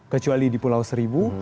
kecuali di pulau seribu